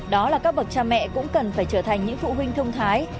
đó là các bậc cha mẹ cũng cần phải trở thành những phụ huynh thông thái